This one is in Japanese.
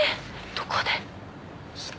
どこで？